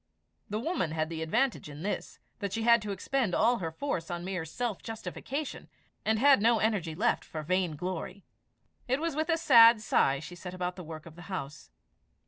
The woman had the advantage in this, that she had to expend all her force on mere self justification, and had no energy left for vain glory. It was with a sad sigh she set about the work of the house.